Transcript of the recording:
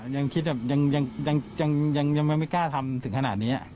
ยังคิดยังไม่กล้าทำถึงขนาดนี้